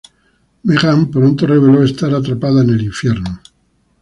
Meggan pronto reveló estar atrapada en el infierno.